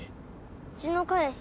うちの彼氏。